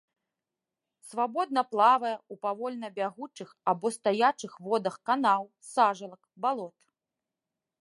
Свабодна плавае ў павольна бягучых або стаячых водах канаў, сажалак, балот.